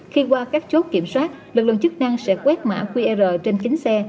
khi qua các chốt kiểm soát lực lượng chức năng sẽ quét mã qr trên kính xe